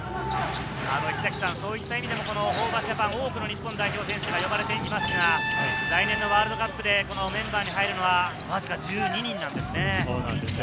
ホーバスＪＡＰＡＮ、多くの日本代表の選手が呼ばれていますが、来年のワールドカップでメンバーに入るのはわずか１２人なんですね。